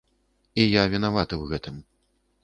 І я вінаваты ў гэтым.